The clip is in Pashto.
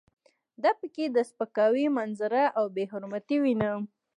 دا په کې د سپکاوي منظره او بې حرمتي وینم.